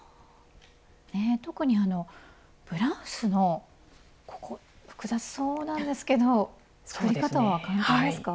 特にブラウスのここ複雑そうなんですけど作り方は簡単ですか？